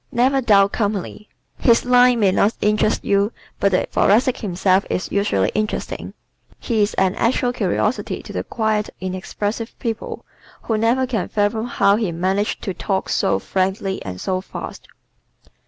Never Dull Company ¶ His "line" may not interest you but the Thoracic himself is usually interesting. He is an actual curiosity to the quiet, inexpressive people who never can fathom how he manages to talk so frankly and so fast.